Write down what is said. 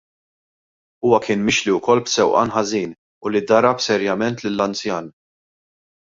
Huwa kien mixli wkoll b'sewqan ħażin u li darab serjament lill-anzjan.